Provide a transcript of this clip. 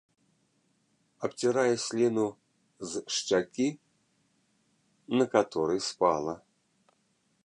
Абцірае сліну з шчакі, на каторай спала.